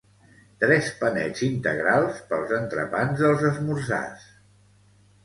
Tres panets integrals pels entrepans dels esmorzars